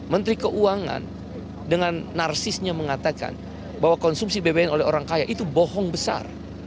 menteri keuangan dengan narsisnya mengatakan bahwa konsumsi bbm oleh orang kaya itu bohong besar